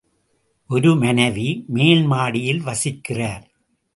ஒரு மனைவி மேல் மாடியில் வசிக்கிறார்.